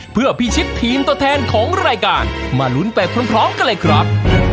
เพื่อพิชิตทีมตัวแทนของรายการมาลุ้นไปพร้อมกันเลยครับ